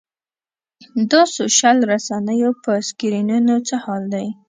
دا سوشل رسنیو په سکرینونو څه حال دی.